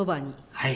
はい。